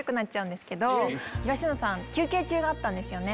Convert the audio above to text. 東野さん休憩中だったんですよね。